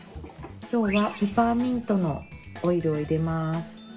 今日はペパーミントのオイルを入れます。